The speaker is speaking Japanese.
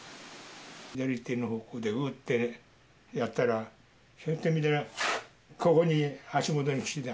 左手の方向で、うってやったら、ひゅっと見たら、ここに足元に来てた。